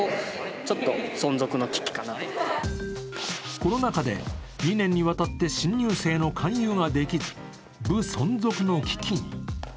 コロナ禍で２年にわたって新入生の勧誘ができず部存続の危機に。